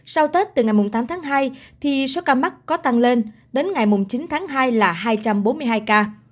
sau tết từ ngày tám tháng hai thì số ca mắc có tăng lên đến ngày chín tháng hai là hai trăm bốn mươi hai ca